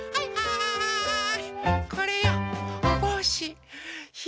はい！